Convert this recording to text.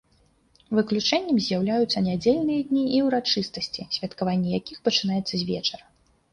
Выключэннем з'яўляюцца нядзельныя дні і ўрачыстасці, святкаванне якіх пачынаецца з вечара.